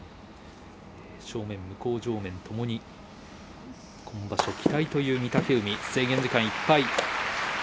正面、向正面ともに今場所期待という御嶽海制限時間いっぱい。